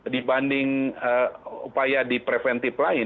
dibanding upaya di preventif lain